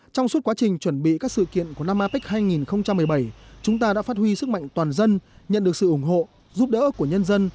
trong suốt quá trình chuẩn bị các sự kiện của năm apec hai nghìn một mươi bảy chúng ta đã phát huy sức mạnh toàn dân nhận được sự ủng hộ giúp đỡ của nhân dân